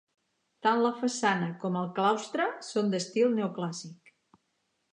Tant la façana com el claustre són d'estil neoclàssic.